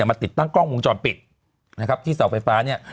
มาติดตั้งกล้องวงจรปิดที่เสาไฟฟ้า